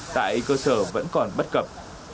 tại cơ sở vẫn còn bất cập